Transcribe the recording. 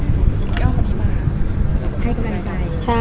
พี่โกหกมีแบบให้กำลังใจ